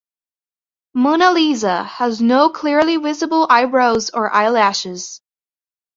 "Mona Lisa" has no clearly visible eyebrows or eyelashes.